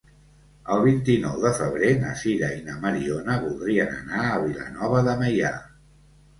El vint-i-nou de febrer na Sira i na Mariona voldrien anar a Vilanova de Meià.